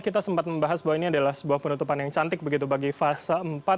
kita sempat membahas bahwa ini adalah sebuah penutupan yang cantik begitu bagi fase empat